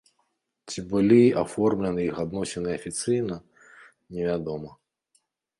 Ці былі аформлены іх адносіны афіцыйна, невядома.